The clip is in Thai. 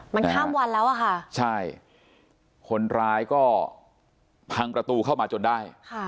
มันข้ามวันแล้วอะค่ะใช่คนร้ายก็พังประตูเข้ามาจนได้